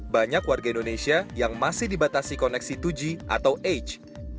banyak warga indonesia yang masih dibatasi koneksi dua g atau h